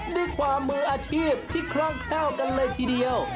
ได้ความมืออาชีพที่ขล้องเท่ากันเลยทีเดียว